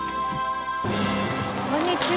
こんにちは。